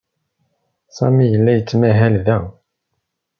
Sami yella yettmahal da.